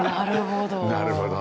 なるほど。